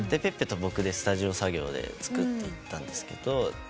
ｐｅｐｐｅと僕でスタジオ作業で作っていったんですけど。